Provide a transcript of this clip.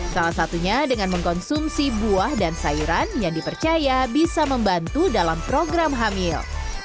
salah satunya dengan mengkonsumsi buah dan sayuran yang dipercaya bisa membantu dalam program hamil